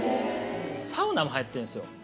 サウナも入ってるんですよ。